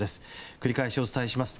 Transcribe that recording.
繰り返しお伝えします。